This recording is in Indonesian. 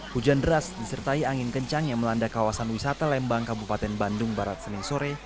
hujan deras disertai angin kencang yang melanda kawasan wisata lembang kabupaten bandung barat senin sore